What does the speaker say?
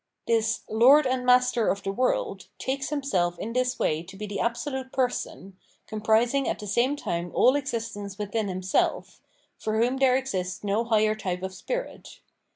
This " lord and master of the world " takes himself in this way to be the absolute person, comprismg at the same time all existence within himself, for whom there exists no higher type of spirit.